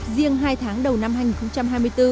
riêng hai tháng đầu năm hai nghìn hai mươi bốn